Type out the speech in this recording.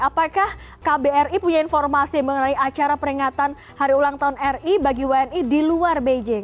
apakah kbri punya informasi mengenai acara peringatan hari ulang tahun ri bagi wni di luar beijing